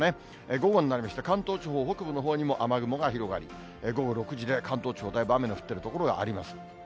午後になりまして、関東地方北部のほうにも雨雲が広がり、午後６時で関東地方だいぶ雨の降っている所があります。